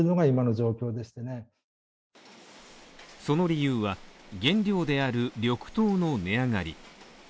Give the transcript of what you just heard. その理由は、原料である緑豆の値上がり。